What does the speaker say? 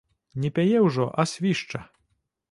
Не пяе ўжо, а свішча.